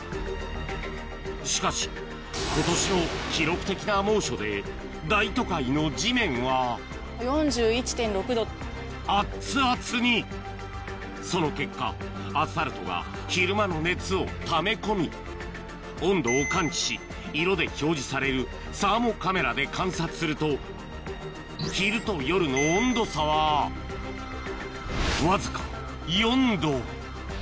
しかし今年のアッツアツにその結果アスファルトが昼間の熱をため込み温度を感知し色で表示されるサーモカメラで観察すると昼と夜の温度差はわずか４℃